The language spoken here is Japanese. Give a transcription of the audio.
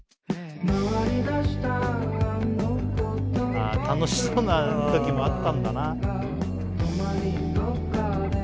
ああ楽しそうな時もあったんだな。